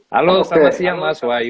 halo selamat siang mas wahyu